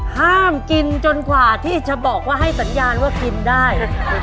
ห้ามกินจนกว่าที่จะบอกว่าให้สัญญาณว่ากินได้